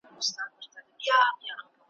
تاته چي سجده لېږم څوک خو به څه نه وايي `